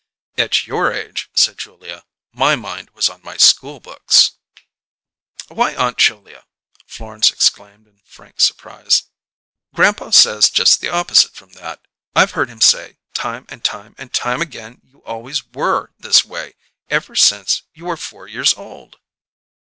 "At your age," said Julia, "my mind was on my schoolbooks." "Why, Aunt Julia!" Florence exclaimed in frank surprise. "Grandpa says just the opposite from that. I've heard him say, time and time and time again, you always were this way, ever since you were four years old."